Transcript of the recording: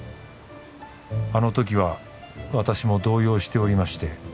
「あの時は私も動揺しておりまして」